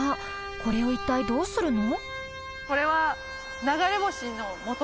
これを一体どうするの？